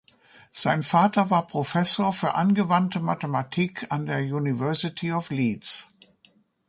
Sein Vater war Professor für angewandte Mathematik an der University of Leeds.